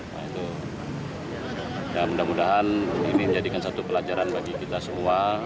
nah itu dan mudah mudahan ini menjadikan satu pelajaran bagi kita semua